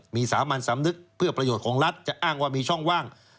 มีสามัญสำนึกเพื่อประโยชน์ของรัฐจะอ้างว่ามีช่องว่าง